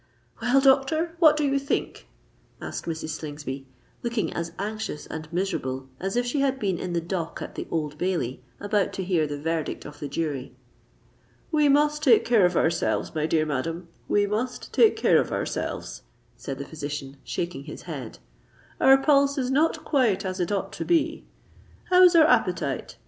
"Well, doctor—what do you think?" asked Mrs. Slingsby, looking as anxious and miserable as if she had been in the dock at the Old Bailey, about to hear the verdict of the jury. "We must take care of ourselves, my dear madam—we must take care of ourselves," said the physician, shaking his head: "our pulse is not quite as it ought to be. How is our appetite?